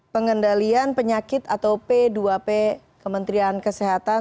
pengendalian penyakit atau p dua p kementerian kesehatan